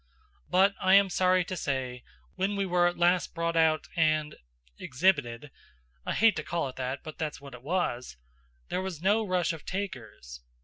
But I am sorry to say, when we were at last brought out and exhibited (I hate to call it that, but that's what it was), there was no rush of takers.